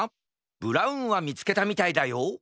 ブラウンはみつけたみたいだよ